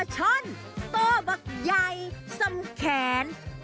ปะชะนโตะบักใยสำแขน